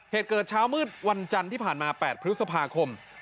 เหตุเกิดเช้ามืดวันจันทร์ที่ผ่านมา๘พฤษภาคม